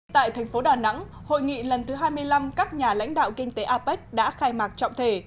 tại thành phố đà nẵng hội nghị lần thứ hai mươi năm các nhà lãnh đạo kinh tế apec đã khai mạc trọng thể